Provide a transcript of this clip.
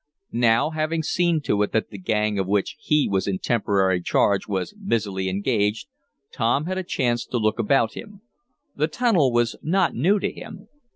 Now, having seen to it that the gang of which he was in temporary charge was busily engaged, Tom had a chance to look about him. The tunnel was not new to him.